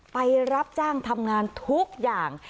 ไปรับจ้างทำงานทุกอย่าง